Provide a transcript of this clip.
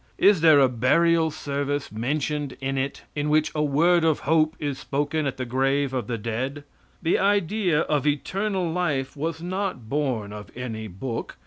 Is there a burial service mentioned in it in which a word of hope is spoken at the grave of the dead? The idea of eternal life was not born of any book.